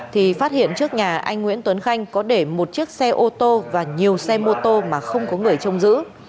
thì phát hiện trước nhà anh nguyễn tuấn khanh có để một chiếc xe ô tô và nhiều xe mô tô mà không có người trông giữ